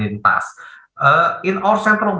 dalam budget sentral kami